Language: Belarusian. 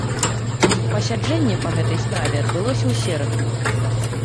Пасяджэнне па гэтай справе адбылося ў сераду.